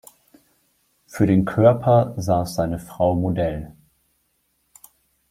Für den Körper saß seine Frau Modell.